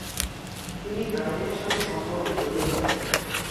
তিনি ড্রাইডেনের সাথে সম্পর্কে জড়িয়ে পড়েন।